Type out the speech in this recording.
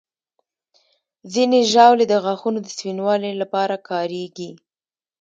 ځینې ژاولې د غاښونو د سپینوالي لپاره کارېږي.